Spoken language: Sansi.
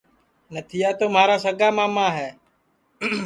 نتھیا تو مھارا سگا ماما ہے